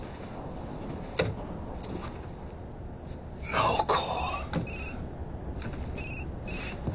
直子。